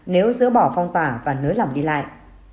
nếu dỡ bỏ phong tỏa và nới lỏng đi lại